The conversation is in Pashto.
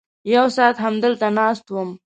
یو ساعت همدلته ناست وم.